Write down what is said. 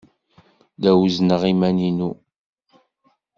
La wezzneɣ iman-inu.